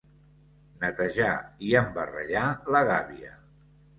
Netejar i embarrellar la gàbia.